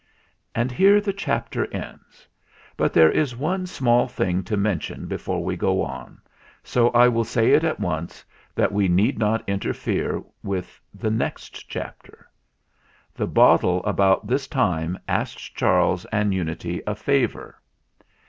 And here the chapter ends; but there is one small thing to mention before we go on, so I will say it at once, that we need not interfere with the next chapter. The bottle about this time asked Charles and Unity a favour.